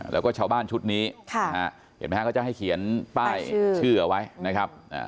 แล้วก็ชาวบ้านชุดนี้เห็นไหมฮะเขาจะให้เขียนป้ายชื่อเอาไว้นะครับ